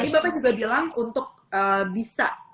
tadi pak pandu juga bilang untuk bisa